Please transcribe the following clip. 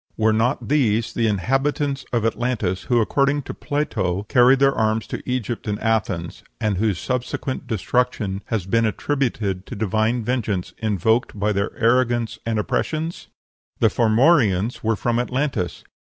Were not these the inhabitants of Atlantis, who, according to Plato, carried their arms to Egypt and Athens, and whose subsequent destruction has been attributed to divine vengeance invoked by their arrogance and oppressions? The Formorians were from Atlantis.